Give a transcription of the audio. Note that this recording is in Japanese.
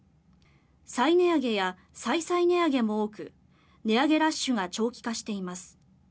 再値上げや再々値上げも多く値上げラッシュが長期化しています。